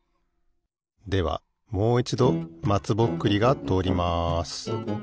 ではもういちどまつぼっくりがとおります。